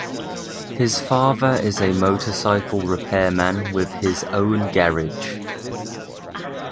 His father is a motorcycle repairman with his own garage.